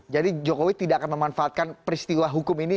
jadi jokowi tidak akan memanfaatkan peristiwa hukum ini